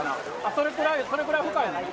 これくらい、これくらい深いの？